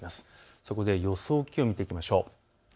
そこで予想気温を見ていきましょう。